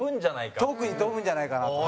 蛍原：遠くに飛ぶんじゃないかなって。